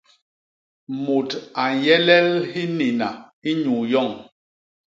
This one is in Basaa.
Mut a nyelel hinina inyuu yoñ.